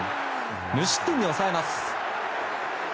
無失点に抑えます。